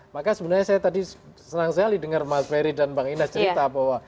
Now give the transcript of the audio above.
maka sebenarnya tadi saya senang sekali dengar mas ferry dan bang indah cerita